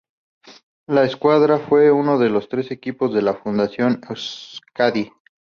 La escuadra fue uno de los tres equipos de la Fundación Euskadi.